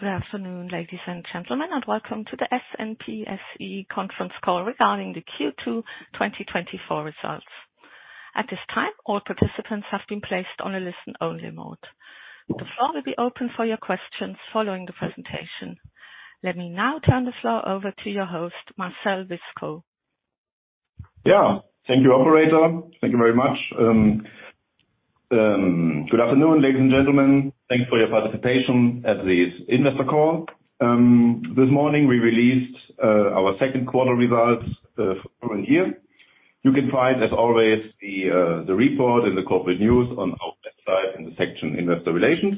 Good afternoon, ladies and gentlemen, and welcome to the SNP SE conference call regarding the Q2 2024 results. At this time, all participants have been placed on a listen-only mode. The floor will be open for your questions following the presentation. Let me now turn the floor over to your host, Marcel Wiskow. Yeah, thank you, operator. Thank you very much. Good afternoon, ladies and gentlemen, thanks for your participation at this investor call. This morning, we released our second quarter results for the current year. You can find, as always, the report and the corporate news on our website in the section Investor Relations.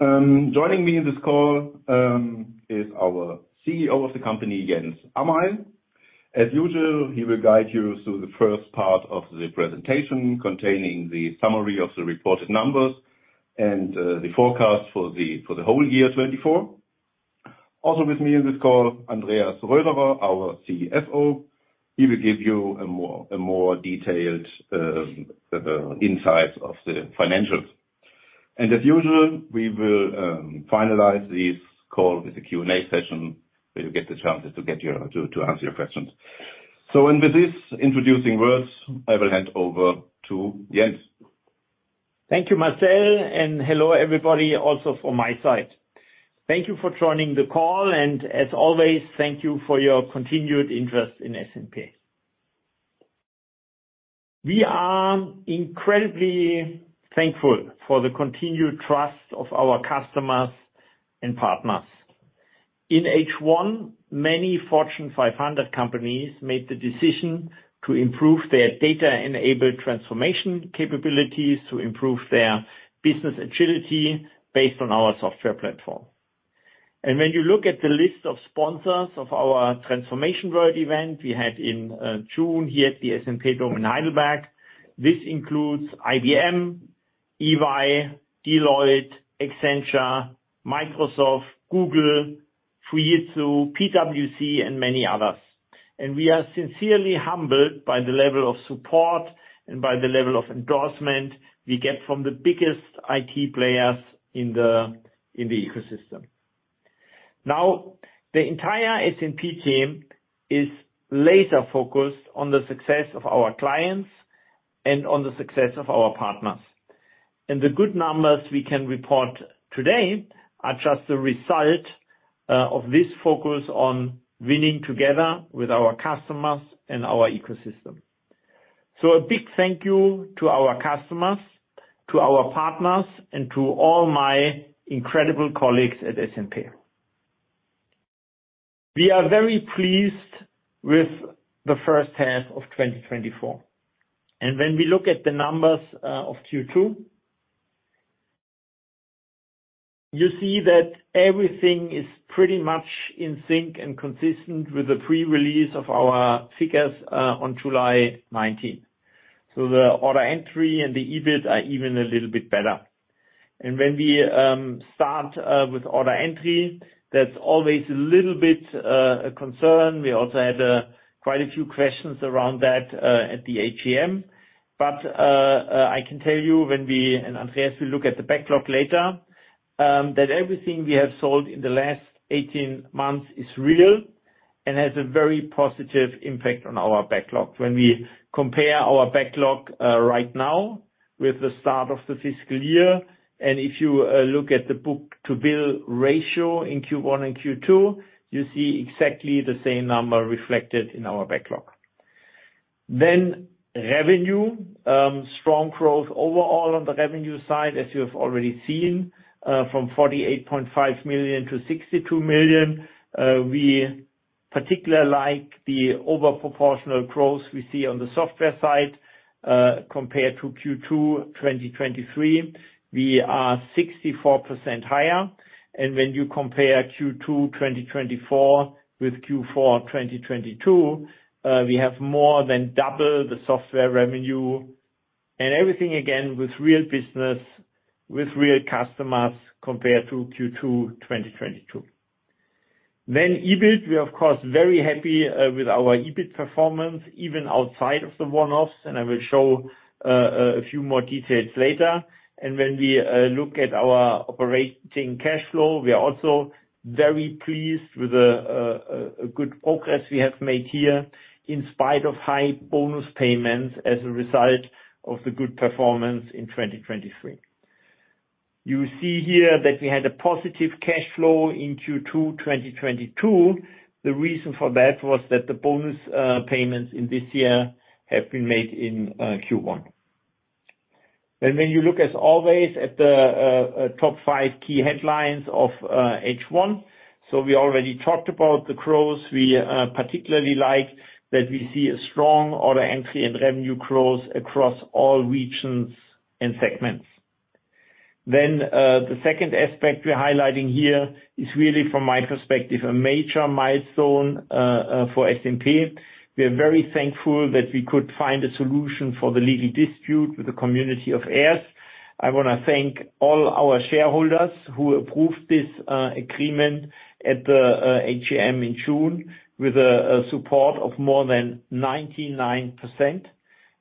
Joining me in this call is our CEO of the company, Jens Amail. As usual, he will guide you through the first part of the presentation, containing the summary of the reported numbers and the forecast for the whole year 2024. Also with me in this call, Andreas Röhrig our CFO. He will give you a more detailed insights of the financials. As usual, we will finalize this call with a Q&A session, where you get the chances to answer your questions. With this introductory words, I will hand over to Jens. Thank you, Marcel, and hello, everybody, also from my side. Thank you for joining the call, and as always, thank you for your continued interest in SNP. We are incredibly thankful for the continued trust of our customers and partners. In H1, many Fortune 500 companies made the decision to improve their data-enabled transformation capabilities, to improve their business agility based on our software platform. When you look at the list of sponsors of our Transformation World event we had in June here at the SNP Dome in Heidelberg, this includes IBM, EY, Deloitte, Accenture, Microsoft, Google, Fujitsu, PwC, and many others. We are sincerely humbled by the level of support and by the level of endorsement we get from the biggest IT players in the ecosystem. Now, the entire SNP team is laser-focused on the success of our clients and on the success of our partners. The good numbers we can report today are just a result of this focus on winning together with our customers and our ecosystem. So a big thank you to our customers, to our partners, and to all my incredible colleagues at SNP. We are very pleased with the first half of 2024, and when we look at the numbers of Q2, you see that everything is pretty much in sync and consistent with the pre-release of our figures on July nineteenth. The order entry and the EBIT are even a little bit better. And when we start with order entry, that's always a little bit a concern. We also had quite a few questions around that at the AGM. But, I can tell you when we, and Andreas will look at the backlog later, that everything we have sold in the last 18 months is real and has a very positive impact on our backlog. When we compare our backlog right now with the start of the fiscal year, and if you look at the book-to-bill ratio in Q1 and Q2, you see exactly the same number reflected in our backlog. Then revenue, strong growth overall on the revenue side, as you have already seen, from 48.5 million-62 million. We particularly like the over proportional growth we see on the software side, compared to Q2 2023, we are 64% higher. When you compare Q2 2024 with Q4 2022, we have more than double the software revenue and everything, again, with real business, with real customers, compared to Q2 2022. EBIT, we are, of course, very happy with our EBIT performance, even outside of the one-offs, and I will show a few more details later. When we look at our operating cash flow, we are also very pleased with the good progress we have made here, in spite of high bonus payments as a result of the good performance in 2023. You see here that we had a positive cash flow in Q2 2022. The reason for that was that the bonus payments in this year have been made in Q1. And when you look, as always, at the top five key headlines of H1, so we already talked about the growth. We particularly like that we see a strong order entry and revenue growth across all regions and segments. Then the second aspect we're highlighting here is really, from my perspective, a major milestone for SNP. We are very thankful that we could find a solution for the legal dispute with the Community of Heirs. I want to thank all our shareholders who approved this agreement at the AGM in June with a support of more than 99%....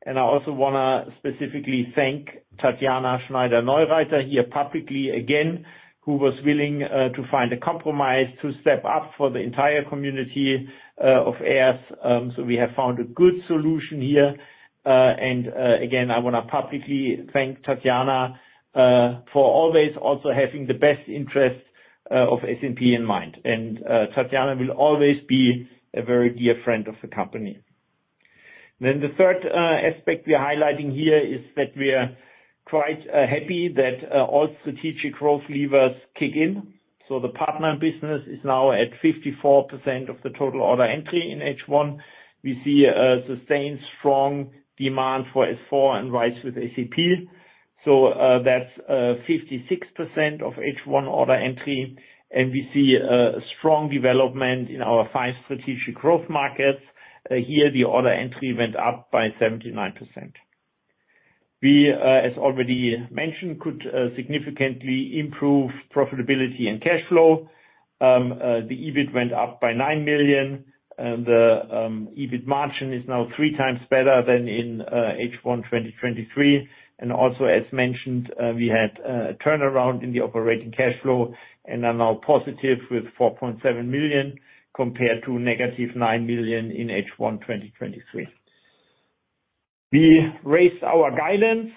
And I also want to specifically thank Tatjana Schneider-Neureiter here publicly again, who was willing to find a compromise to step up for the entire community of SNP. So we have found a good solution here. And, again, I want to publicly thank Tatjana for always also having the best interest of SAP in mind. And, Tatjana will always be a very dear friend of the company. Then the third aspect we are highlighting here is that we are quite happy that all strategic growth levers kick in. So the partner business is now at 54% of the total order entry in H1. We see sustained strong demand for S/4 and RISE with SAP. So, that's 56% of H1 order entry, and we see strong development in our five strategic growth markets. Here, the order entry went up by 79%. We, as already mentioned, could significantly improve profitability and cash flow. The EBIT went up by 9 million, and the EBIT margin is now three times better than in H1 2023. Also, as mentioned, we had a turnaround in the operating cash flow and are now positive with 4.7 million, compared to negative 9 million in H1 2023. We raised our guidance.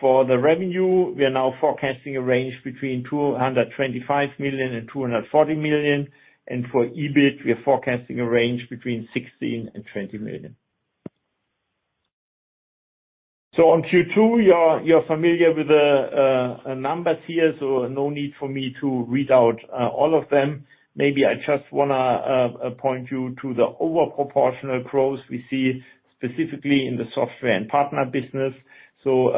For the revenue, we are now forecasting a range between 225 million and 240 million, and for EBIT, we are forecasting a range between 16 million and 20 million. So on Q2, you're familiar with the numbers here, so no need for me to read out all of them. Maybe I just wanna point you to the over proportional growth we see specifically in the software and partner business. So,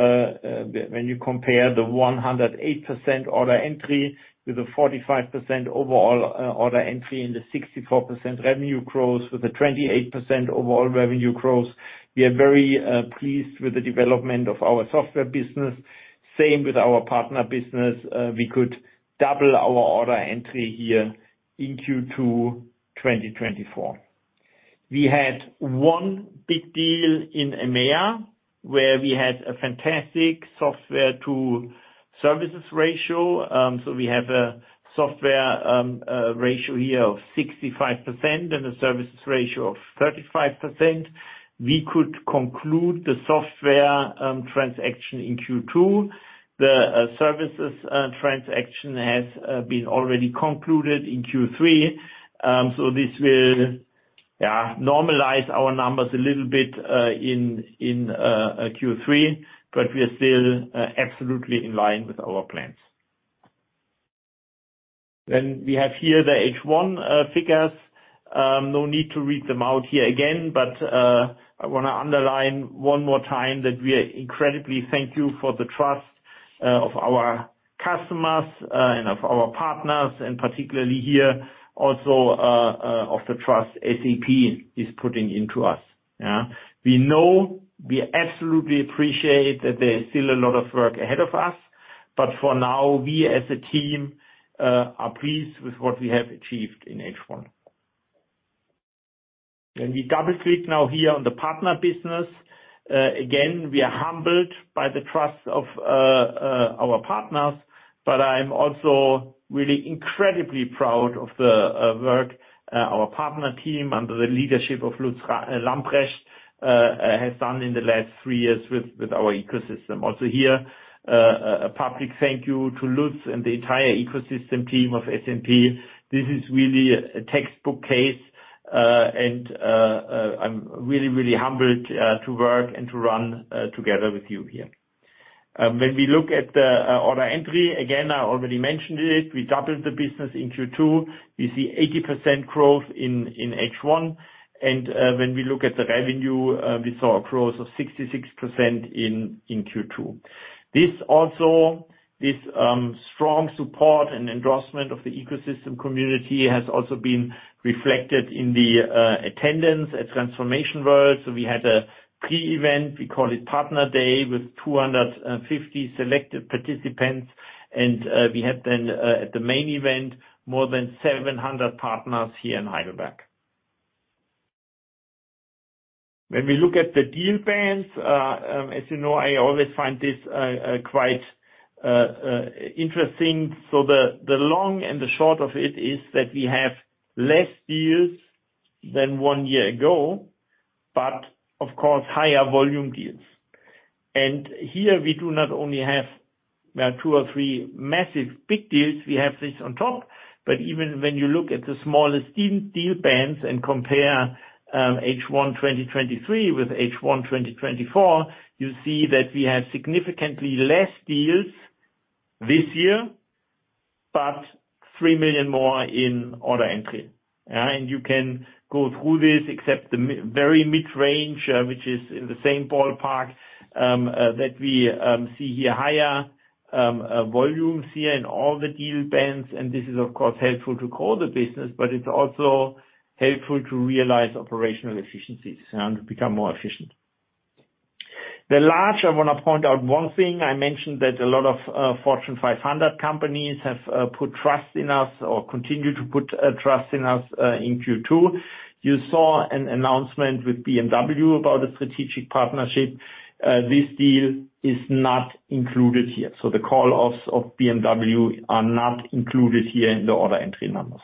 when you compare the 108% order entry with a 45% overall order entry and the 64% revenue growth with a 28% overall revenue growth, we are very pleased with the development of our software business. Same with our partner business. We could double our order entry here in Q2 2024. We had one big deal in EMEA, where we had a fantastic software-to-services ratio. So we have a software ratio here of 65% and a services ratio of 35%. We could conclude the software transaction in Q2. The services transaction has been already concluded in Q3. So this will, yeah, normalize our numbers a little bit in Q3, but we are still absolutely in line with our plans. Then we have here the H1 figures. No need to read them out here again, but I want to underline one more time that we are incredibly thankful for the trust of our customers and of our partners, and particularly here, also, of the trust SAP is putting into us. Yeah? We know, we absolutely appreciate that there is still a lot of work ahead of us, but for now, we as a team are pleased with what we have achieved in H1. When we double-click now here on the partner business, again, we are humbled by the trust of our partners, but I'm also really incredibly proud of the work our partner team, under the leadership of Lutz Lambrecht, has done in the last three years with our ecosystem. Also here, a public thank you to Lutz and the entire ecosystem team of SAP. This is really a textbook case, and I'm really, really humbled to work and to run together with you here. When we look at the order entry, again, I already mentioned it, we doubled the business in Q2. We see 80% growth in H1, and when we look at the revenue, we saw a growth of 66% in Q2. This also, this strong support and endorsement of the ecosystem community has also been reflected in the attendance at Transformation World. So we had a pre-event, we call it Partner Day, with 250 selected participants, and we had then at the main event, more than 700 partners here in Heidelberg. When we look at the deal bands, as you know, I always find this quite interesting. So the long and the short of it is that we have less deals than one year ago, but of course, higher volume deals. And here we do not only have two or three massive big deals, we have this on top. But even when you look at the smallest deal bands and compare H1 2023 with H1 2024, you see that we have significantly less deals this year, but 3 million more in order entry. And you can go through this, except the mi- very mid-range, which is in the same ballpark, that we see here, higher volumes here in all the deal bands, and this is, of course, helpful to grow the business, but it's also helpful to realize operational efficiencies and to become more efficient. The large, I want to point out one thing. I mentioned that a lot of Fortune 500 companies have put trust in us or continue to put trust in us in Q2. You saw an announcement with BMW about a strategic partnership. This deal is not included here. So the call-offs of BMW are not included here in the order entry numbers.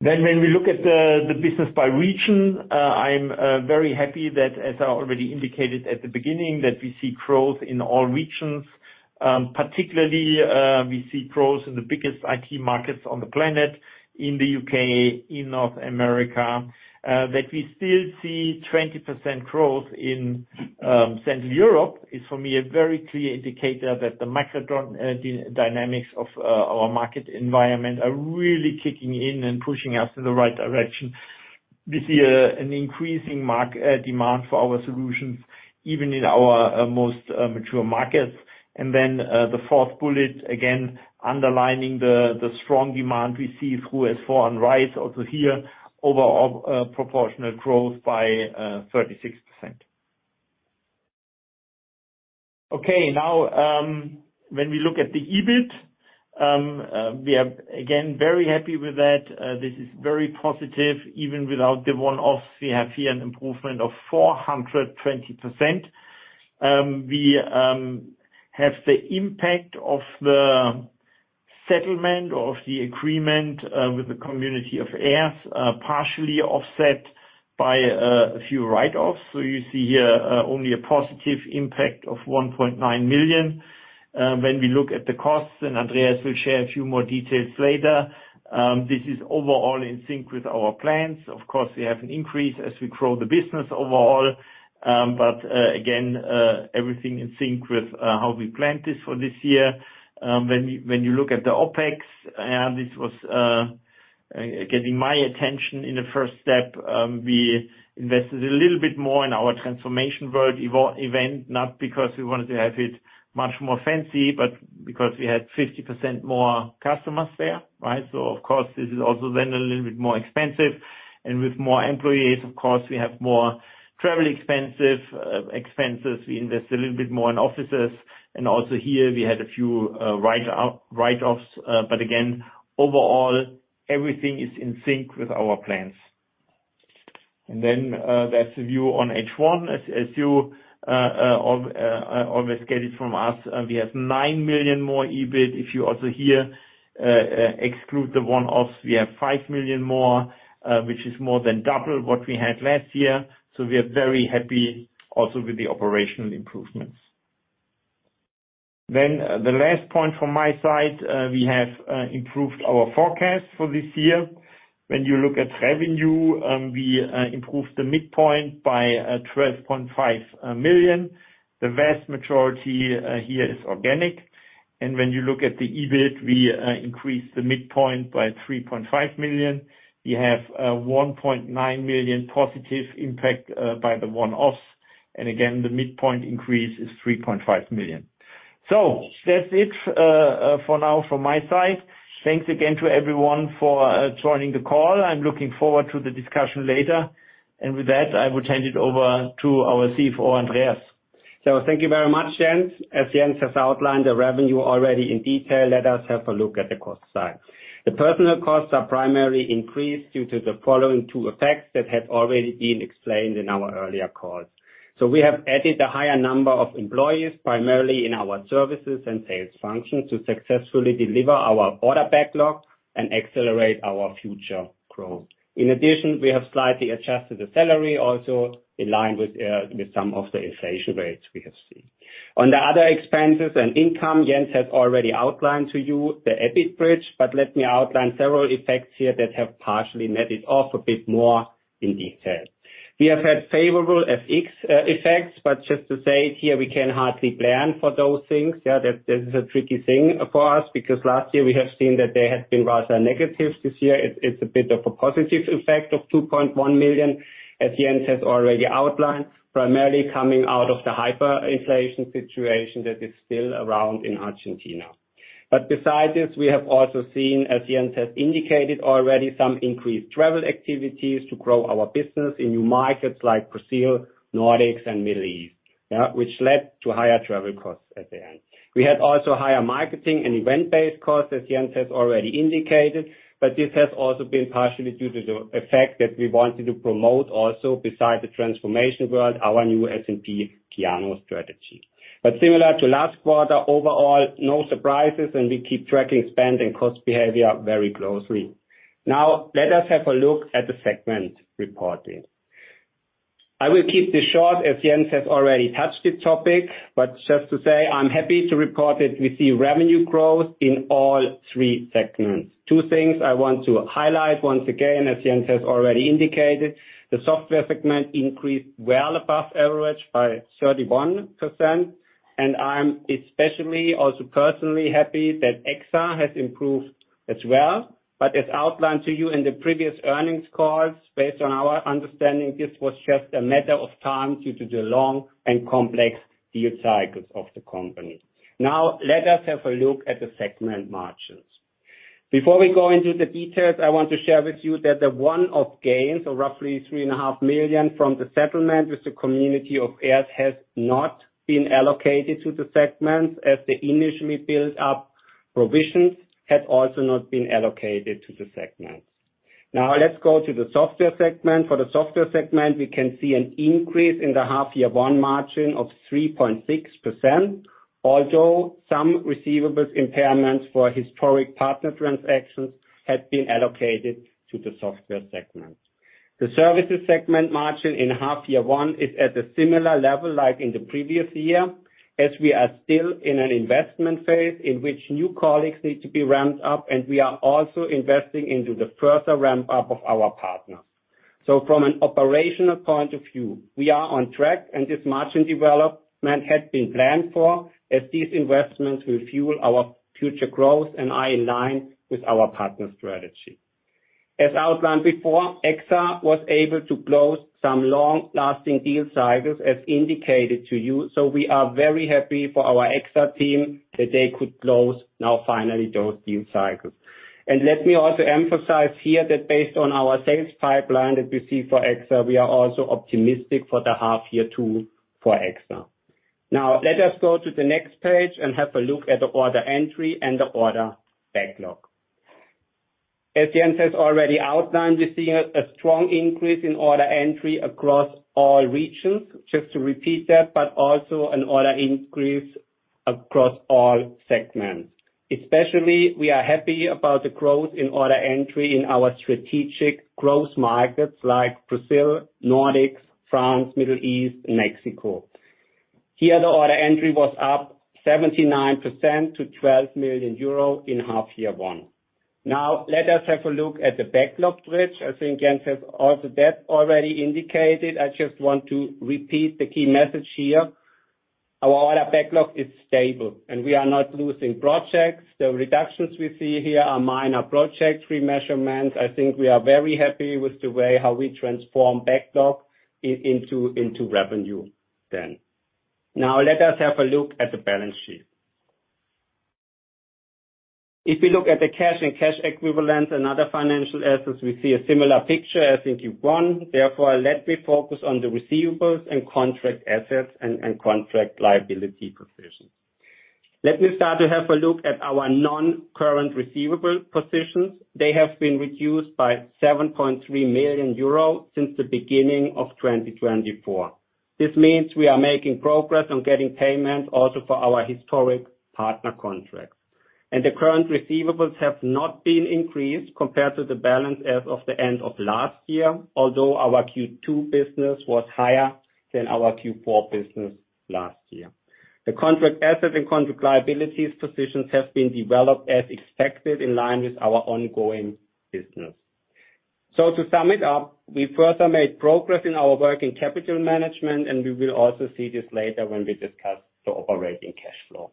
Then when we look at the business by region, I'm very happy that, as I already indicated at the beginning, that we see growth in all regions. Particularly, we see growth in the biggest IT markets on the planet, in the U.K., in North America. That we still see 20% growth in Central Europe is for me a very clear indicator that the macro dynamics of our market environment are really kicking in and pushing us in the right direction. We see an increasing market demand for our solutions, even in our most mature markets. And then, the fourth bullet, again, underlining the strong demand we see through S/4HANA RISE, also here, overall, proportional growth by 36%. Okay, now, when we look at the EBIT, we are again very happy with that. This is very positive. Even without the one-offs, we have here an improvement of 420%. We have the impact of the settlement or of the agreement with the Community of Heirs partially offset by a few write-offs. So you see here only a positive impact of 1.9 million. When we look at the costs, and Andreas will share a few more details later, this is overall in sync with our plans. Of course, we have an increase as we grow the business overall, but again, everything in sync with how we planned this for this year. When you look at the OpEx, and this was getting my attention in the first step, we invested a little bit more in our transformation world event, not because we wanted to have it much more fancy, but because we had 50% more customers there, right? So of course, this is also then a little bit more expensive. With more employees, of course, we have more travel expenses. We invest a little bit more in offices, and also here, we had a few write-offs. But again, overall, everything is in sync with our plans. Then, that's the view on H1. As you always get it from us, we have 9 million more EBIT. If you also here, exclude the one-offs, we have 5 million more, which is more than double what we had last year. So we are very happy also with the operational improvements. Then, the last point from my side, we have improved our forecast for this year. When you look at revenue, we improved the midpoint by 12.5 million. The vast majority here is organic. And when you look at the EBIT, we increased the midpoint by 3.5 million. We have 1.9 million positive impact by the one-offs. And again, the midpoint increase is 3.5 million. So that's it, for now from my side. Thanks again to everyone for joining the call. I'm looking forward to the discussion later. With that, I will turn it over to our CFO, Andreas. Thank you very much, Jens. As Jens has outlined the revenue already in detail, let us have a look at the cost side. The personnel costs are primarily increased due to the following two effects that have already been explained in our earlier calls. So we have added a higher number of employees, primarily in our services and sales functions, to successfully deliver our order backlog and accelerate our future growth. In addition, we have slightly adjusted the salary also in line with some of the inflation rates we have seen. On the other expenses and income, Jens has already outlined to you the EBIT bridge, but let me outline several effects here that have partially netted off a bit more in detail. We have had favorable FX effects, but just to say it here, we can hardly plan for those things. Yeah, this is a tricky thing for us, because last year we have seen that there has been rather negatives. This year, it's a bit of a positive effect of 2.1 million, as Jens has already outlined, primarily coming out of the hyperinflation situation that is still around in Argentina. But besides this, we have also seen, as Jens has indicated already, some increased travel activities to grow our business in new markets like Brazil, Nordics, and Middle East, yeah, which led to higher travel costs at the end. We had also higher marketing and event-based costs, as Jens has already indicated, but this has also been partially due to the effect that we wanted to promote also, besides the Transformation World, our new SNP Kyano strategy. But similar to last quarter, overall, no surprises, and we keep tracking spend and cost behavior very closely. Now, let us have a look at the segment reporting. I will keep this short, as Jens has already touched the topic, but just to say, I'm happy to report that we see revenue growth in all three segments. Two things I want to highlight once again, as Jens has already indicated: the software segment increased well above average by 31%, and I'm especially also personally happy that EXA has improved as well. But as outlined to you in the previous earnings calls, based on our understanding, this was just a matter of time due to the long and complex deal cycles of the company. Now, let us have a look at the segment margins. Before we go into the details, I want to share with you that the one-off gains, or roughly 3.5 million from the settlement with the community of heirs, has not been allocated to the segments, as the initially built-up provisions had also not been allocated to the segments. Now, let's go to the software segment. For the software segment, we can see an increase in the half year one margin of 3.6%, although some receivables impairments for historic partner transactions have been allocated to the software segment. The services segment margin in half year one is at a similar level like in the previous year, as we are still in an investment phase in which new colleagues need to be ramped up, and we are also investing into the further ramp-up of our partners. So from an operational point of view, we are on track, and this margin development had been planned for, as these investments will fuel our future growth and are in line with our partner strategy. As outlined before, EXA was able to close some long-lasting deal cycles, as indicated to you, so we are very happy for our EXA team that they could close now, finally, those deal cycles. And let me also emphasize here that based on our sales pipeline that we see for EXA, we are also optimistic for the half year two for EXA. Now, let us go to the next page and have a look at the order entry and the order backlog. As Jens has already outlined, we're seeing a strong increase in order entry across all regions, just to repeat that, but also an order increase across all segments. Especially, we are happy about the growth in order entry in our strategic growth markets, like Brazil, Nordics, France, Middle East, and Mexico. Here, the order entry was up 79% to 12 million euro in half year 1. Now, let us have a look at the backlog switch. I think Jens has also that already indicated. I just want to repeat the key message here. Our order backlog is stable, and we are not losing projects. The reductions we see here are minor project remeasurements. I think we are very happy with the way how we transform backlog into revenue then. Now, let us have a look at the balance sheet. If you look at the cash and cash equivalents and other financial assets, we see a similar picture as in Q1. Therefore, let me focus on the receivables and contract assets and contract liability positions. Let me start to have a look at our non-current receivable positions. They have been reduced by 7.3 million euro since the beginning of 2024. This means we are making progress on getting payments also for our historic partner contracts. The current receivables have not been increased compared to the balance as of the end of last year, although our Q2 business was higher than our Q4 business last year. The contract assets and contract liabilities positions have been developed as expected, in line with our ongoing business. To sum it up, we further made progress in our working capital management, and we will also see this later when we discuss the operating cash flow.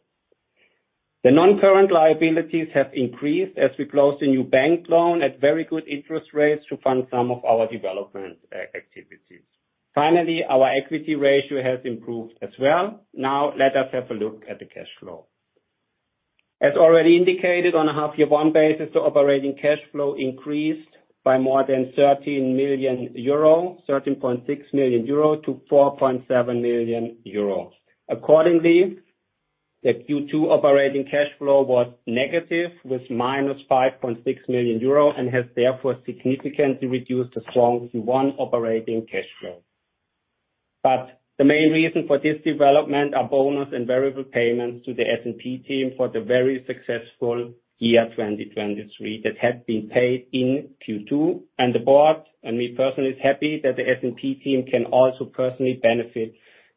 The non-current liabilities have increased as we closed a new bank loan at very good interest rates to fund some of our development activities. Finally, our equity ratio has improved as well. Now, let us have a look at the cash flow. As already indicated, on a half year one basis, the operating cash flow increased by more than 13 million euro, 13.6 million euro to 4.7 million euro. Accordingly, the Q2 operating cash flow was negative, with -5.6 million euro, and has therefore significantly reduced the strong Q1 operating cash flow. But the main reason for this development are bonus and variable payments to the SNP team for the very successful year 2023, that had been paid in Q2. And the board, and me personally, is happy that the SNP team can also personally benefit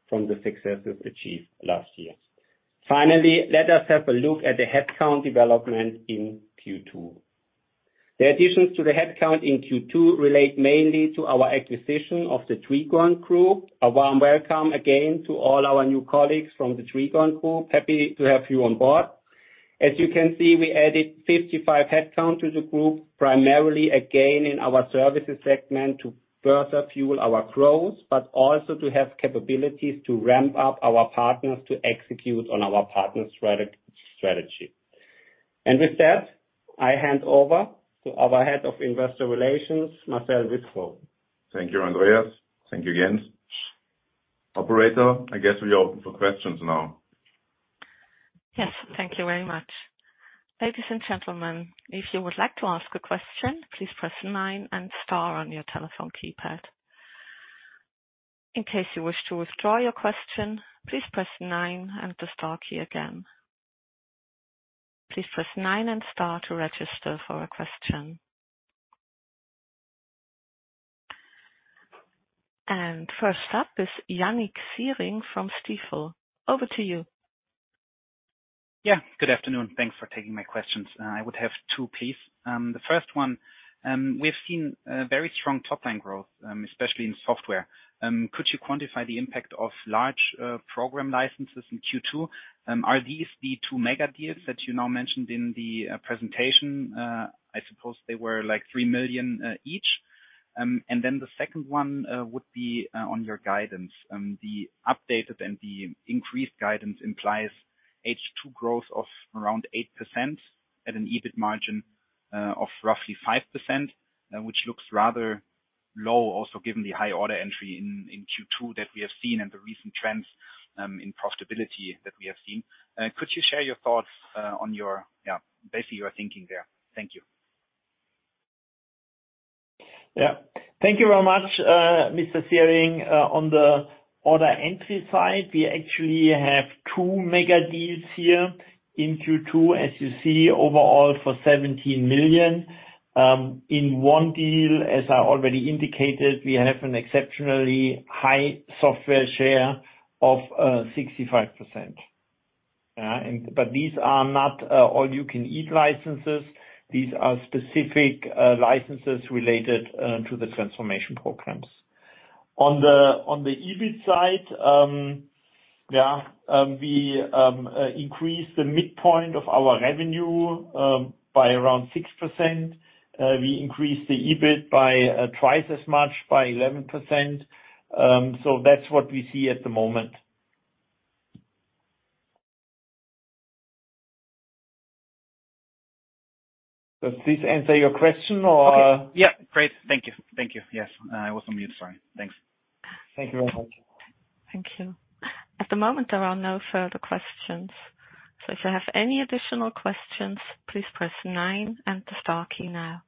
from the successes achieved last year. Finally, let us have a look at the headcount development in Q2. The additions to the headcount in Q2 relate mainly to our acquisition of the Trigone Group. A warm welcome again to all our new colleagues from the Trigone Group. Happy to have you on board. As you can see, we added 55 headcount to the group, primarily again in our services segment, to further fuel our growth, but also to have capabilities to ramp up our partners to execute on our partner strategy. With that, I hand over to our head of investor relations, Marcel Wiskow. Thank you, Andreas. Thank you, Jens. Operator, I guess we are open for questions now. Yes, thank you very much. Ladies and gentlemen, if you would like to ask a question, please press nine and star on your telephone keypad. In case you wish to withdraw your question, please press nine and the star key again. Please press nine and star to register for a question. First up is Yannik Siering from Stifel. Over to you. Yeah, good afternoon. Thanks for taking my questions. I would have two, please. The first one, we've seen very strong top line growth, especially in software. Could you quantify the impact of large program licenses in Q2? Are these the two mega-deals that you now mentioned in the presentation? I suppose they were, like, 3 million each? And then the second one would be on your guidance. The updated and the increased guidance implies H2 growth of around 8% at an EBIT margin of roughly 5%, which looks rather low, also given the high order entry in Q2 that we have seen and the recent trends in profitability that we have seen. Could you share your thoughts on your, yeah, basically your thinking there? Thank you. Yeah. Thank you very much, Mr. Siering. On the order entry side, we actually have two mega deals here in Q2, as you see, overall, for 17 million. In one deal, as I already indicated, we have an exceptionally high software share of 65%. And but these are not all you can eat licenses. These are specific licenses related to the transformation programs. On the EBIT side, yeah, we increased the midpoint of our revenue by around 6%. We increased the EBIT by twice as much, by 11%. So that's what we see at the moment. Does this answer your question or? Yeah, great. Thank you. Thank you. Yes, I was on mute. Sorry. Thanks. Thank you very much. Thank you. At the moment, there are no further questions, so if you have any additional questions, please press nine and the star key now.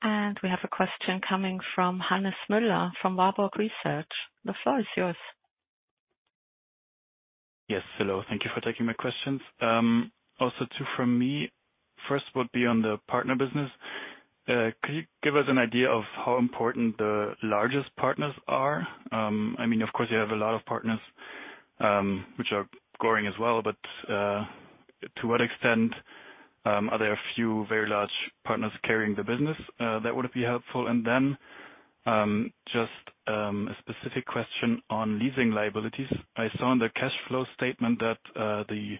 And we have a question coming from Hannes Müller, from Warburg Research. The floor is yours. Yes. Hello. Thank you for taking my questions. Also two from me. First would be on the partner business. Could you give us an idea of how important the largest partners are? I mean, of course, you have a lot of partners, which are growing as well, but, to what extent, are there a few very large partners carrying the business? That would be helpful. And then, just, a specific question on leasing liabilities. I saw in the cash flow statement that, the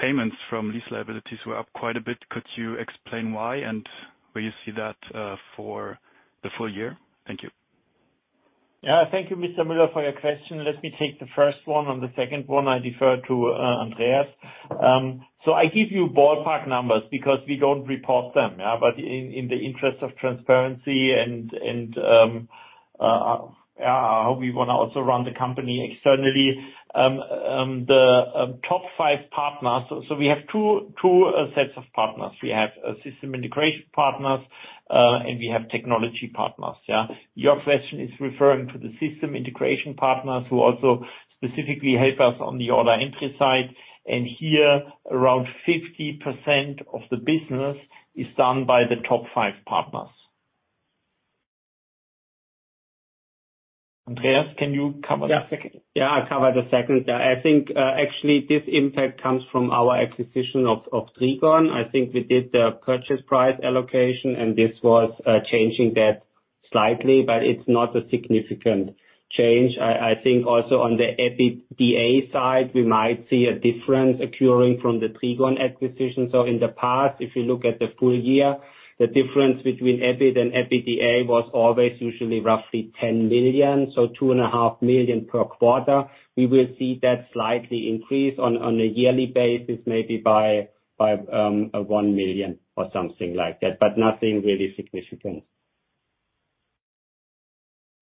payments from lease liabilities were up quite a bit. Could you explain why, and will you see that, for the full year? Thank you. Yeah. Thank you, Mr. Müller, for your question. Let me take the first one, and the second one I defer to Andreas. So I give you ballpark numbers because we don't report them, yeah, but in the interest of transparency and how we wanna also run the company externally. The top five partners. So we have two sets of partners. We have system integration partners and we have technology partners, yeah? Your question is referring to the system integration partners, who also specifically help us on the order entry side, and here, around 50% of the business is done by the top five partners. Andreas, can you cover the second? Yeah, I'll cover the second. I think, actually, this impact comes from our acquisition of Trigone. I think we did the purchase price allocation, and this was changing that slightly, but it's not a significant change. I think also on the EBITDA side, we might see a difference occurring from the Trigone acquisition. So in the past, if you look at the full year, the difference between EBIT and EBITDA was always usually roughly 10 million, so 2.5 million per quarter. We will see that slightly increase on a yearly basis, maybe by one million or something like that, but nothing really significant.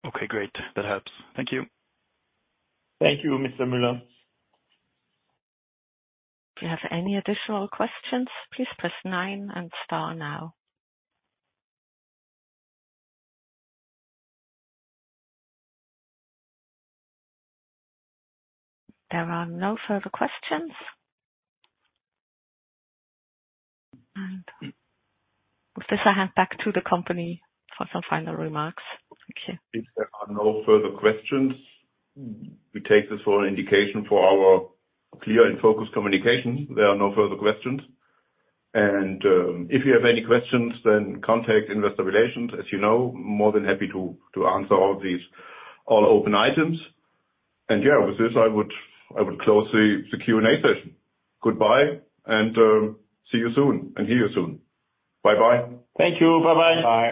Okay, great. That helps. Thank you. Thank you, Mr. Müller. If you have any additional questions, please press nine and star now. There are no further questions. And with this, I hand back to the company for some final remarks. Thank you. If there are no further questions, we take this for an indication for our clear and focused communication. There are no further questions, and if you have any questions, then contact Investor Relations. As you know, more than happy to answer all these, all open items. And yeah, with this, I would close the Q&A session. Goodbye, and see you soon, and hear you soon. Bye-bye. Thank you. Bye-bye. Bye.